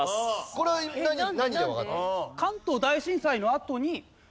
これは何でわかったの？